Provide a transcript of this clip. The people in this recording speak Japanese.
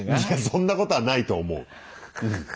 そんなことはないと思ううん。